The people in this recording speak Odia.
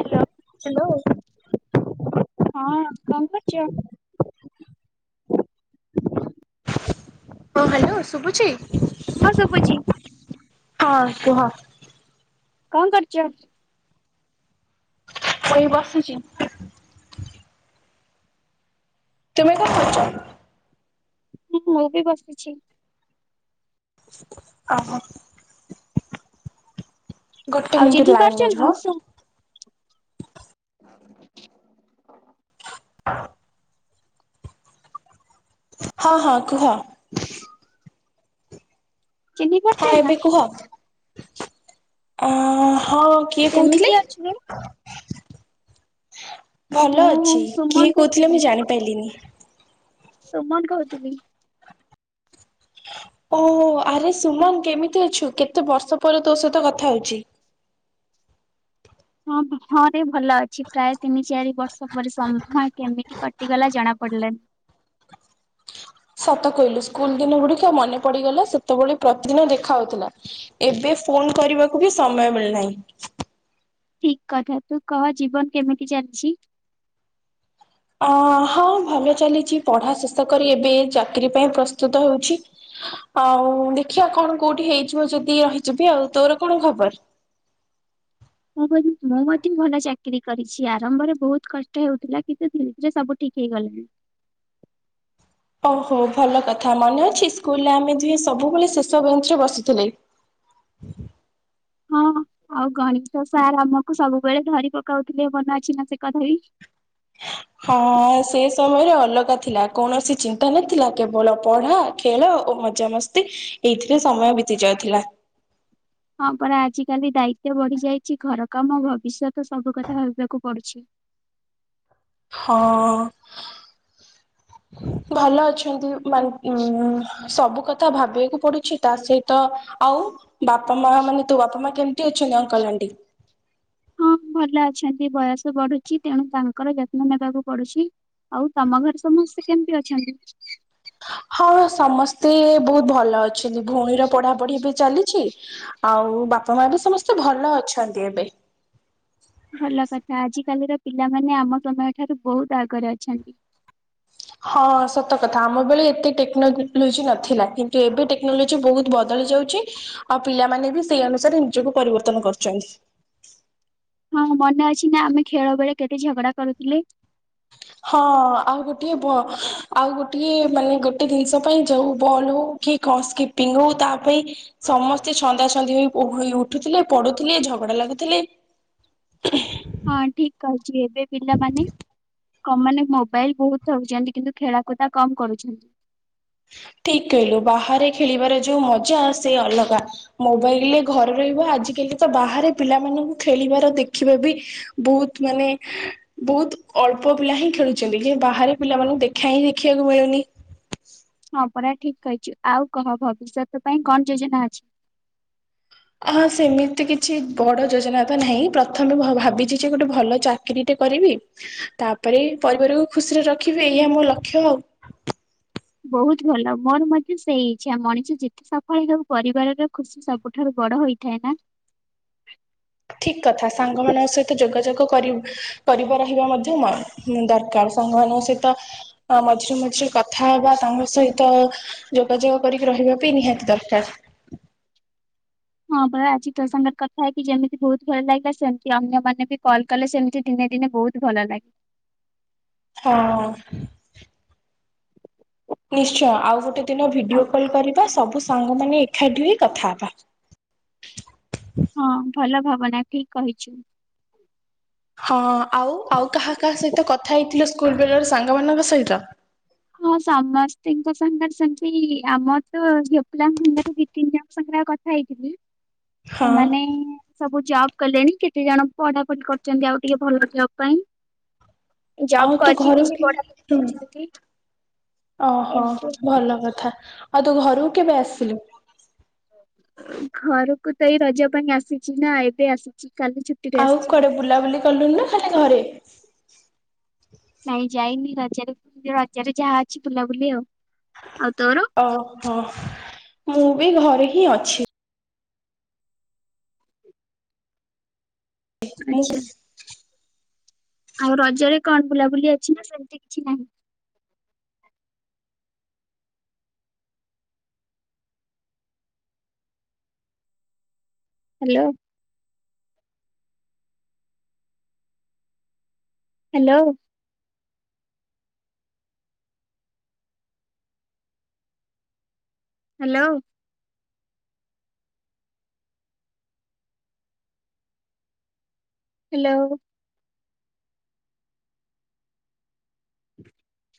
ହ୍ୟାଲୋ। ହାଲୋ। ହଁ କଣ କରୁଚ? ହଁ ହାଲୋ ଶୁଭୁଚି? ହଁ ଶୁଭୁଚି। ହଁ କୁହ? କଁ କରୁଚ? ମୁଁ ଏଇ ବସୁଛି। ତୁମେ କଣ କରୁଚ? ହୁଁ ମୁଁ ବି ବସିଚି। ଓହୋ। ଗୋଟେ ଆଉ ମିନିଟ୍ ଚିହ୍ନି ପାରୁଛ ଲାଇନରେ ନା ମୁଁ ରୁହ। ସୁ [inaudible] ହଁ ହଁ କୁହ। [inaudible] ଚିହ୍ନି ପାରୁଛ ହଁ ନା? ଏବେ କୁହ ହଁ କିଏ କହୁଥିଲେ? କେମିତି ଅଛୁ? ଭଲ ମୁଁ ଅଛି ସୁମନ କିଏ କହୁଥିଲେ କହୁଥିଲି। ମୁଁ ଜାଣିପାରିଲିନି? ସୁମନ୍ କହୁଥିଲି। ଓହୋ ହୋ ଆରେ ସୁମନ କେମିତି ଅଛୁ କେତେ ବର୍ଷ ପରେ ତୋସହିତ କଥା ହଉଚି। ହଁ ହଁରେ ଭଲ ଅଛି ପ୍ରାୟ ତିନି ଚାରି ବର୍ଷ ପରେ ସମୟ କେମିତି କଟିଗଲା ଜଣା ପଡ଼ିଲାନି। ସତ କହିଲୁ ସ୍କୁଲ୍ ଦିନ ଗୁଡ଼ିକ ମନେ ପଡ଼ିଗଲା ସେତେବେଳେ ପ୍ରତିଦିନ ଦେଖା ହଉଥିଲା। ଏବେ ଫୋନ କରିବାକୁ ବି ସମୟ ମିଳିନାହିଁ। ଠିକ୍ କଥା ତୁ କହ ଜୀବନ କେମିତି ଚାଲିଚି? ଅ ହଁ ଭଲ ଚାଲିଚି ପଢା ଶେଷ କରି ଏବେ ଚାକିରିୀ ପାଇଁ ପ୍ରସ୍ତୁତ ହେଉଚି। ଆଉ ଦେଖିଆ କଣ କୋଉଠି ହେଇଯିବ ଯଦି ରହିଯିବି ଆଉ ତୋର କଣ ଖବର? ମୁଁ ମୁଁ ମଧ୍ୟ ଭଲ ଚାକିରରି କରିଛି ଆରମ୍ଭରେ ବହୁତ୍ କଷ୍ଟ ହେଉଥିଲା କିନ୍ତୁ ଧୀରେ ଧୀରେ ସବୁ ଠିକ୍ ହେଇଗଲା। ଓହୋ ଭଲ କଥା ମନେ ଅଛି ସ୍କୁଲରେ ଆମେ ଦୁହେ ସବୁବେଳେ ଶେଷ ବେଞ୍ଚରେ ବସୁଥିଲେ? ହଁ ଆଉ ଗଣେତ ସାର୍ ଆମକୁ ସବୁବେଳେ ଧରି ପକାଉଥିଲେ ମନ ଅଛିନା ସେକଥାବି? ହଁ ସେ ସମୟରେ ଅଲଗା ଥିଲା କୌଣସି ଚିନ୍ତା ନଥିଲା କେବଳ ପଢା ଖେଳ ଓ ମଜାମସ୍ତି ଏଇଥିରେ ସମୟ ବିତି ଯାଉଥିଲା। ହଁ ପରା ଆଜିକାଲି ଦାୟିତ୍ୱ ବଢି ଯାଇଚି ଘର କାମ ଭବିଷ୍ୟତ ସବୁ କଥା ଭାବିବାକୁ ପଡ଼ୁଚି। ହଁ- ଭଲ ଅଛନ୍ତି ବା ଉଁ ସବୁ କଥା ଭାବିବାକୁ ପଡ଼ୁଛି ତା ସହିତ ଆଉ ବାପା ମାମା ମାନେ ତୋ ବାପା ମା କେମିତି ଅଛନ୍ତି ଅଙ୍କଲ ଆଣ୍ଟି? ହଁ ଭଲ ଅଛନ୍ତି ବୟସ ବଢୁଚି ତେଣୁ ତାଙ୍କର ଯତ୍ନ ନେବାକୁ ପଡ଼ୁଚି। ଆଉ ତମ ଘରେ ସମସ୍ତେ କେମିତି ଅଛନ୍ତି? ହଁ ସମସ୍ତେ ବହୁତ୍ ଭଲ ଅଛନ୍ତି ଭଉଣୀର ପଢାପଢି ବି ଚାଲିଚି ଆଉ ବାପା ମା ବି ସମସ୍ତେ ଭଲ ଅଛନ୍ତି ଏବେ। ଭଲ କଥା ଆଜିକାଲିର ପିଲାମାନେ ଆମ ସମୟ ଠାରୁ ବହୁତ୍ ଆଗରେ ଅଛନ୍ତି। ହଁ ସତ କଥା ଆମ ବଳେ ଏତେ ଟେକ୍ନୋଲୋଜି ନଥିଲା କିନ୍ତୁ ଏବେ ଟେ ଟେକ୍ନୋଲୋଜି ବହୁତ୍ ବଦଳି ଯାଉଚି ଆଉ ପିଲାମାନେବି ସେଇ ଅନୁସାରେ ନିଜକୁ ପରିବର୍ତ୍ତନ କରୁଚନ୍ତି। ହଁ ମନେ ଅଛିନା ଆମେ ଖେଳ ବେଳେ କେତେ ଝଗଡ଼ା କରୁଥିଲେ? ହଁ ଆଉ ଗୋଟେ ଭ ଆଉ ଗୋଟିଏ ମାନେ ଗୋଟେ ଜିନିଷ ପାଇଁ ଯଉ ବଲ୍ ହଉ କି କସ୍କପିଙ୍ଗ ହଉ ତା ପାଇଁ ସମସ୍ତେ ଛନ୍ଦା ଛନ୍ଦି ହୋଇ ହୋଇ ଉଠୁଥିଲେ ପଢୁଥିଲେ ଝଗଡ଼ା ଲାଗୁଥିଲେ ହଁ ଠିକ୍ କହିଚି ଏବେ ବିଲମାନେ? କ ମାନେ ମୋବାଇଲ ବହୁତ ଉଛନ୍ତି କିନ୍ତୁ ଖେଳାକୁଦା କମ କରୁଛନ୍ତି। ଠିକ୍ କହିଲୁ ବାହାରେ ଖେଳିବାର ଯୋଉ ମଜା ସେ ଅଲଗା। ମୋବାଇଲରେ ଘରେ ରହିବ ଆଜିକାଲି ତ ବାହାରେ ପିଲାମାନଙ୍କୁ ଖେଳିବାର ଦେଖିବା ବି ବହୁତ ମାନେ ବହୁତ ଅଳ୍ପ ପିଲା ହିଁ ଖେଳୁଛନ୍ତି ଯେ ବାହାରେ ପିଲାମାନଙ୍କୁ ଦେଖା ହିଁ ଦେଖିବାକୁ ମିଳୁନି। ହଁ ପରା ଠିକ୍ କହିଛୁ, ଆଉ କହ ଭବିଷ୍ୟତ ପାଇଁ କଣ ଯୋଜନା ଅଛି? ଆହା ସେମିତି କିଛି ବଡ଼ ଯୋଜନା ତ ନାହିଁ ପ୍ରଥମେ ଭ ଭାବିଛି ଯେ ଗୋଟେ ଭଲ ଚାକିରିଟେ କରିବି ତାପରେ ପରିବାରକୁ ଖୁସିରେ ରଖିବି ଏଇଆ ମୋ ଲକ୍ଷ୍ୟ ଆଉ। ବହୁତ ଭଲ ମୋର ମଧ୍ୟ ସେଇ ଇଚ୍ଛା ମଣିଷ ଯେତେ ସଫଳ ହେଉ ପରିବାର ର ଖୁସି ସବୁଠାରୁ ବଡ ହେଇ ଠାଏ ନା। ଠିକ୍ କଥା ସାଙ୍ଗ ମାନଙ୍କ ସହି ଯୋଗାଯୋଗ କରି କର ରହିବା ମଧ୍ୟ ଦରକାର ସାଙ୍ଗମାନଙ୍କ ସହିତ ମଝିରେ ମଝିରେ କଥାହବା ତାଙ୍କ ସହିତ ଯୋଗାଯୋଗ କରିକି ରହିବା ପାଇଁ ନିହାତି ଦରକାର। ହଁ ବା ଆଜି ତୋ ସାଙ୍ଗରେ କଥା ହେଇକି ଯେମିତି ବହୁତ ଭଲ ଲାଗିଲା ସେମିତି ଅନ୍ୟମାନେ ବି କଲ୍ କଲେ ସେମିତି ଦିନେ ଦିନେ ବହୁତ ଭଲ ଲାଗେ। ହଁ ନିଶ୍ଚୟ ଆଉ ଗୋଟେ ଦିନ ଆଉ ଭିଡିଓ କଲ୍ କରିବା ସବୁ ସାଙ୍ଗମାନେ ଏକାଠି ହୋଇ କଥା ହବା। ହଁ, ଭଲ ଭାବନା ଠିକ୍ କହିଚୁ। ହଁ ଆଉ ଆଉ କାହା କାହା ସହିତ କଥା ହେଇଥିଲୁ ସ୍କୁଲ ବେଳର ସାଙ୍ଗ ମାନଙ୍କ ସହିତ ହଁ ସମସ୍ତଙ୍କ ସାଙ୍ଗରେ ସେମିତି ଆମର ତ ଝିଅପିଲାଙ୍କ ସାଙ୍ଗରେ ଦି ତିନିଜଣଙ୍କ ସାଙ୍ଗରେ ଆଉ କଥା ଖାଇଥିଲି ହଁ ସେମାନେ ସବୁ ଜବ୍ କଲେଣି କେତେ ଜଣ ପଢା ପଢି କରୁଛନ୍ତି ଆଉ ଟିକେ ଭଲ ଜବ୍ ପାଇଁ। ଆଉ ଜବ୍ ତୁ କରିକି ଘରକୁ କିଛି କି ପଢା ପଢ଼ି ହୁଁ କରୁଛନ୍ତି। ଓହୋ ଏମିତି ଭଲ କଥା ଆଉ ତୁ ଘରକୁ କେବେ ଆସିଲୁ? ଘରକୁ ତ ଏଇ ରଜ ପାଇଁ ଆସିଛି ନା ଏବେ ଆସିଛି କାଲି ଛୁଟି ଆଉ କୁଆଡେ ବୁଲାବୁଲି କଲୁଣୁ ନା ଖାଲି ଘରେ? ନାଇଁ ଯାଇନି ରଜରେ ରଜରେ ଯାହା ଅଛି ବୁଲାବୁଲି ଆଉ, ଆଉ ତୋର। ଓହୋ ମୁଁ ବି ଘରେ ହିଁ ଅଛି। ମୁଁ ଆଚ୍ଛା ଆଉ ରଜରେ କଣ ବୁଲାବୁଲି ଅଛି ନା ସେମିତି କିଛି ନାହିଁ। ହ୍ୟାଲୋ। ହ୍ୟାଲୋ। Hello hello. [unintelligible]